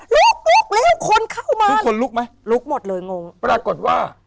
ลุกลุกแล้วคนเข้ามาทุกคนลุกไหมลุกหมดเลยงงปรากฏว่า